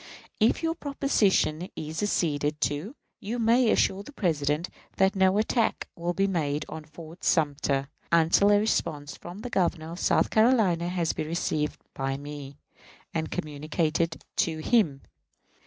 If your proposition is acceded to, you may assure the President that no attack will be made on Fort Sumter until a response from the Governor of South Carolina has been received by me, and communicated to him.